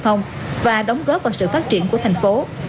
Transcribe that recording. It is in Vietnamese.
không và đóng góp vào sự phát triển của thành phố